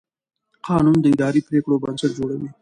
قانون د اداري پرېکړو بنسټ جوړوي.